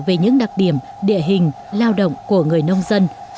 về những đặc điểm địa hình lao động của người nông dân